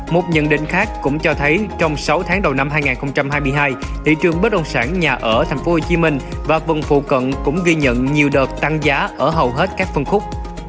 một nhận định khác cũng cho thấy trong sáu tháng đầu năm hai nghìn hai mươi hai thị trường bất động sản nhà ở tp hcm và vùng phụ cận cũng ghi nhận nhiều đợt tăng giá ở hầu hết các phân khúc